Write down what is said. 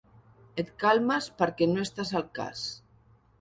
Et calmes perquè no estàs al cas.